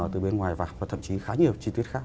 từ bên ngoài vào và thậm chí khá nhiều chi tiết khác